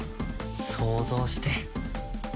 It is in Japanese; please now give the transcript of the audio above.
想像して。